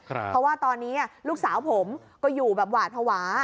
เพราะว่าตอนนี้ลูกสาวผมก็อยู่แบบหวาดภาวะ